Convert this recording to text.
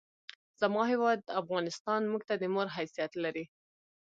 زما هېواد افغانستان مونږ ته د مور حیثیت لري!